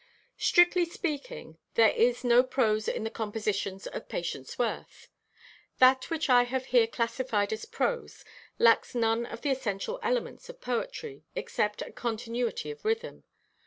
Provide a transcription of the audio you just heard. Strictly speaking, there is no prose in the compositions of Patience Worth. That which I have here classified as prose, lacks none of the essential elements of poetry, except a continuity of rhythm.